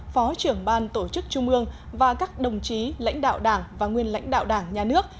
phó trưởng ban tổ chức trung ương và các đồng chí lãnh đạo đảng và nguyên lãnh đạo đảng nhà nước